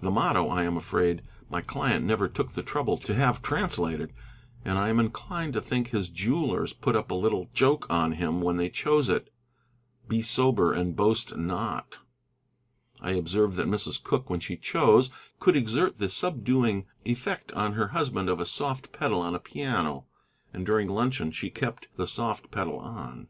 The motto I am afraid my client never took the trouble to have translated, and I am inclined to think his jewellers put up a little joke on him when they chose it. "Be Sober and Boast not." I observed that Mrs. Cooke, when she chose, could exert the subduing effect on her husband of a soft pedal on a piano; and during luncheon she kept, the soft pedal on.